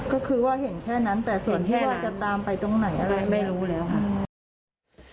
ก็คือว่าเห็นแค่นั้นแต่ส่วนที่ว่าจะตามไปตรงไหนอะไร